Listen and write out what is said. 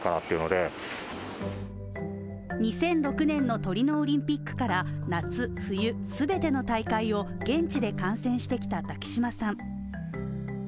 ２００６年のトリノオリンピックから夏冬全ての大会を現地で観戦してきた滝島さん。